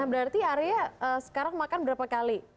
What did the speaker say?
nah berarti area sekarang makan berapa kali